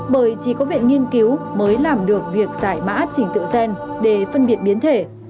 bởi chỉ có viện nghiên cứu mới làm được việc giải mã trình tự gen để phân biệt biến thể